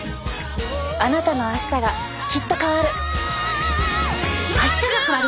あなたの明日がきっと変わる。